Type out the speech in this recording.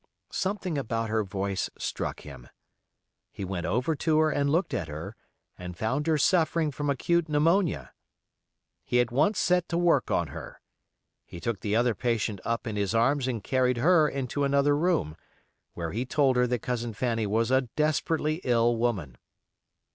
Something about her voice struck him. He went over to her and looked at her, and found her suffering from acute pneumonia. He at once set to work on her. He took the other patient up in his arms and carried her into another room, where he told her that Cousin Fanny was a desperately ill woman.